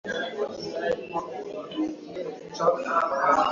Morusasin ni msimu ambao unaweza kuwepo na mvua ya mawe kama kukinyesha